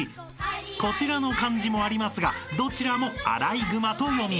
［こちらの漢字もありますがどちらもアライグマと読みます］